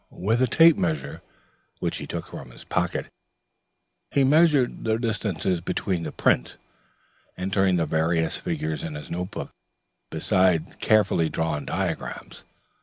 With a tape measure, which he took from his pocket, he measured the distances between the prints, entering the various figures in his notebook, beside carefully drawn diagrams.